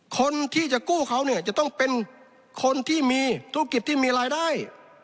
คนที่จะกู้เขาเนี่ยจะต้องเป็นคนที่มีธุรกิจที่มีรายได้